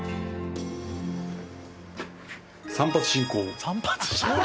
「散髪進行」。